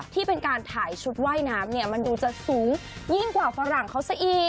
ที่เป็นการถ่ายชุดว่ายน้ำเนี่ยมันดูจะสูงยิ่งกว่าฝรั่งเขาซะอีก